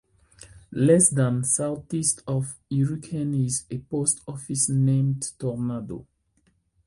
Less than southeast of Hurricane is a post office named Tornado.